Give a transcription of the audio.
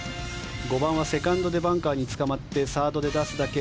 ５番はセカンドでバンカーにつかまってサードで出すだけ。